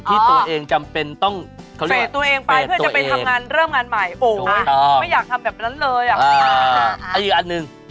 ที่ตัวเองจำเป็นต้องเขาเรียกว่าเสร็จตัวเองไป